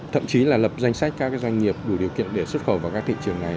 thậm chí là lập danh sách các doanh nghiệp đủ điều kiện để xuất khẩu vào các thị trường này